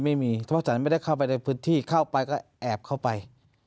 ไม่มีเพราะฉันไม่ได้เข้าไปในพื้นที่เข้าไปก็แอบเข้าไป